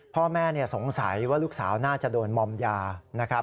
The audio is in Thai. พ่อแม่สงสัยว่าลูกสาวน่าจะโดนมอมยานะครับ